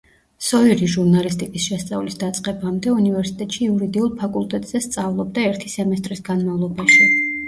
სოირი ჟურნალისტიკის შესწავლის დაწყებამდე, უნივერსიტეტში იურიდიულ ფაკულტეტზე სწავლობდა ერთი სემესტრის განმავლობაში.